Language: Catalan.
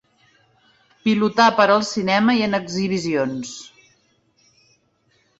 Pilotà per al cinema i en exhibicions.